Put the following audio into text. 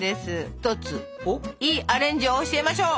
一ついいアレンジを教えましょう！